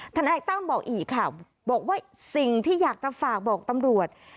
ทนายตั้มบอกอีกค่ะบอกว่าสิ่งที่อยากจะฝากบอกตำรวจ